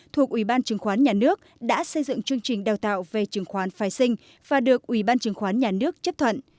thuộc ủy ban chứng khoán nhà nước đã xây dựng chương trình đào tạo về chứng khoán phái sinh và được ủy ban chứng khoán nhà nước chấp thuận